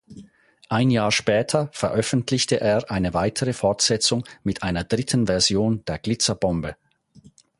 Ein Jahr später veröffentlichte er eine weitere Fortsetzung mit einer dritten Version der Glitzerbombe.